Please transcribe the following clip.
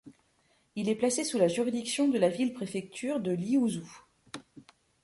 Il est placé sous la juridiction de la ville-préfecture de Liuzhou.